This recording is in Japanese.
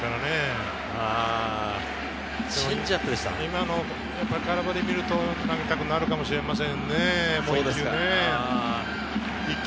今の空振りを見ると、投げたくなるかもしれませんね、もう一球。